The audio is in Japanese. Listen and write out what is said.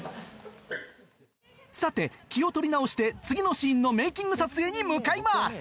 さて気を取り直して次のシーンのメイキング撮影に向かいます！